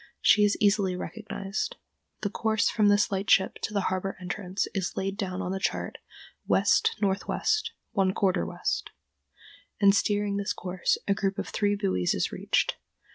She is easily recognized. The course from this lightship to the harbor entrance is laid down on the chart "west northwest, one quarter west," and, steering this course, a group of three buoys is reached.